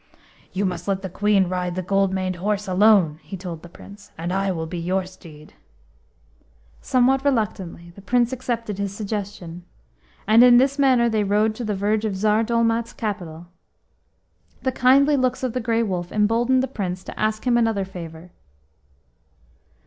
OU must let the Queen ride the gold maned horse alone," he told the Prince, "and I will be your steed." Somewhat reluctantly, the Prince accepted his suggestion, and in this manner they rode to the verge of Tsar Dolmat's capital. The kindly looks of the Grey Wolf emboldened the Prince to ask him another favour.